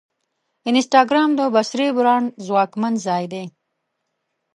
انسټاګرام د بصري برانډ ځواکمن ځای دی.